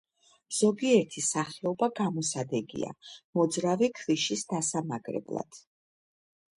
ზოგიერთი სახეობა გამოსადეგია მოძრავი ქვიშის დასამაგრებლად.